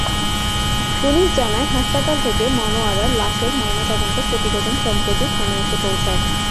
Police জানায়, হাসপাতাল থেকে মনোয়ারার লাশের ময়নাতদন্ত প্রতিবেদন সম্প্রতি থানায় এসে পৌঁছায়।